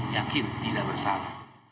yakin tidak bersalah